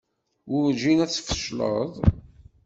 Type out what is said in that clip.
Werǧin ad tfecleḍ.